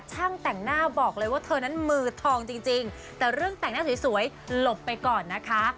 ช่างแต่งหน้าบอกเลยว่าเธอนั้นมือทองจริงแต่เรื่องแต่งหน้าสวยหลบไปก่อนนะคะ